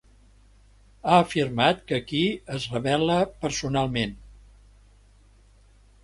Ha afirmat que aquí es rebel·la personalment.